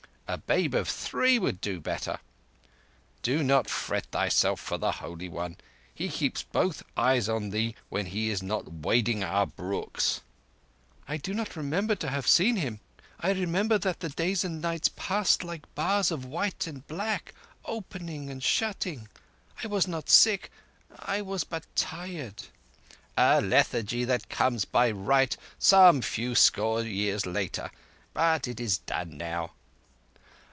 A babe of three would do better. Do not fret thyself for the Holy One. He keeps both eyes on thee when he is not wading our brooks." "I do not remember to have seen him. I remember that the days and nights passed like bars of white and black, opening and shutting. I was not sick: I was but tired." "A lethargy that comes by right some few score years later. But it is done now."